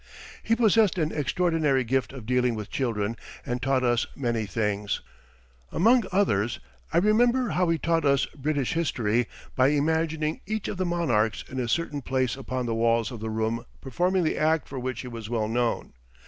He possessed an extraordinary gift of dealing with children and taught us many things. Among others I remember how he taught us British history by imagining each of the monarchs in a certain place upon the walls of the room performing the act for which he was well known.